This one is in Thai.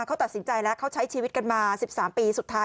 เขาตัดสินใจแล้วเขาใช้ชีวิตกันมา๑๓ปีสุดท้าย